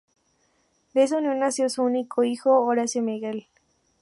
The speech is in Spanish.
De esa unión nació su único hijo, Horacio Miguel.